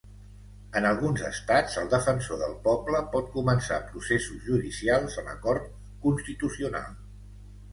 En alguns estats el defensor del poble pot començar processos judicials a la Cort Constitucional.